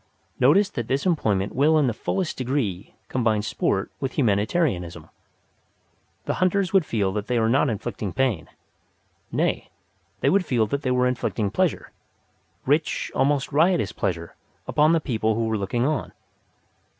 Notice that this employment will in the fullest degree combine sport with humanitarianism. The hunters would feel that they were not inflicting pain. Nay, they would feel that they were inflicting pleasure, rich, almost riotous pleasure, upon the people who were looking on.